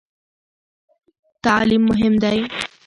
تعلیم مهم دی؟